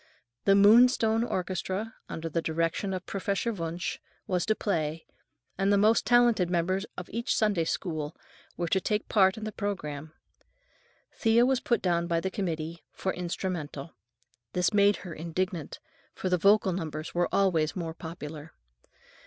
The Moonstone Orchestra, under the direction of Professor Wunsch, was to play, and the most talented members of each Sunday School were to take part in the programme. Thea was put down by the committee "for instrumental." This made her indignant, for the vocal numbers were always more popular.